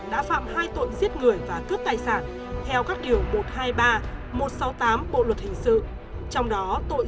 đã phạm hai tội giết người và cướp tài sản theo các điều một trăm hai mươi ba một trăm sáu mươi tám bộ luật hình sự trong đó tội